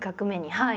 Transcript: はい。